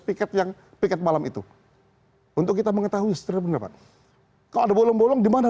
piket yang piket malam itu untuk kita mengetahui setelah pendapat kalau ada bolong bolong dimana